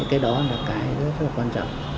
cái đó là cái rất là quan trọng